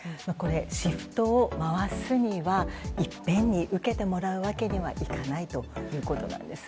シフトを回すにはいっぺんに受けてもらう訳にはいかないということなんです。